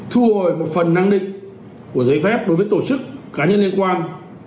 thu hồi một phần năng định của giấy phép đối với tổ chức cá nhân liên quan